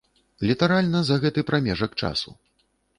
Літаральна за гэты прамежак часу.